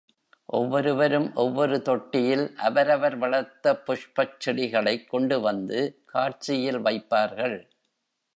ஒவ்வொருவரும் ஒவ்வொரு தொட்டியில் அவரவர் வளர்த்த புஷ்பச் செடிகளைக் கொண்டுவந்து, காட்சியில் வைப்பார்கள்.